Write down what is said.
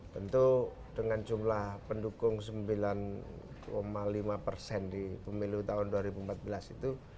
tentu dengan jumlah pendukung sembilan lima persen di pemilu tahun dua ribu empat belas itu